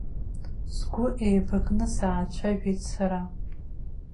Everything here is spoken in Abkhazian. Сгәы еибакны саацәажәеит сара.